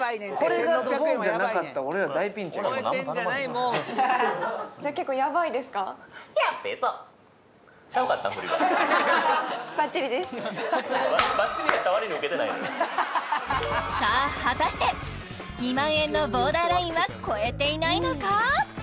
俺らもう何も頼まないさあ果たして２万円のボーダーラインは超えていないのか？